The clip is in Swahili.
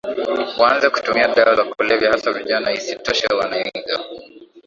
waanze kutumia dawa za kulevya hasa vijana Isitoshe wanaiga